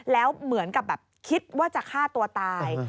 แล้วเหมือนกับแบบคิดว่าจะฆ่าตัวตาย